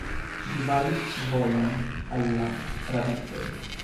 Ŝi baris vojon al la rabistoj.